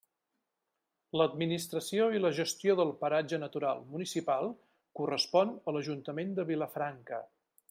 L'administració i la gestió del paratge natural municipal correspon a l'Ajuntament de Vilafranca.